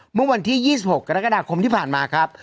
เมื่อวันที่๒๖กรกฎาคมที่ผ่านมาครับ